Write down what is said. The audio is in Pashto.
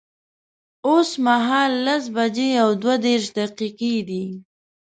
اوس مهال لس بجي او دوه دیرش دقیقی دی